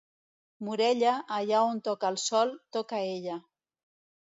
Morella, allà on toca el sol, toca ella.